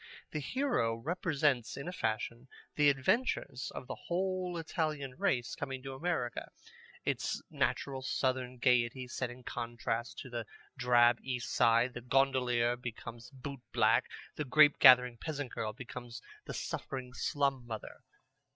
The hero represents in a fashion the adventures of the whole Italian race coming to America: its natural southern gayety set in contrast to the drab East Side. The gondolier becomes boot black. The grape gathering peasant girl becomes the suffering slum mother.